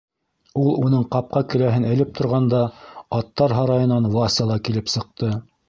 Ул уның ҡапҡа келәһен элеп торғанда, аттар һарайынан Вася ла килеп сыҡты.